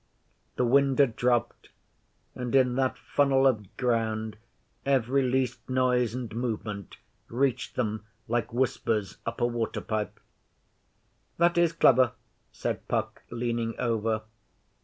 The wind had dropped, and in that funnel of ground every least noise and movement reached them like whispers up a water Pipe. 'That is clever,' said Puck, leaning over.